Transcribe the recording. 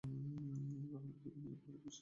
তাহলে, তুই কলেজের প্রহরীকে বিশ্বাস করছিস?